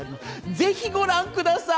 ぜひご覧ください。